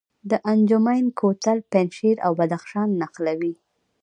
د انجمین کوتل پنجشیر او بدخشان نښلوي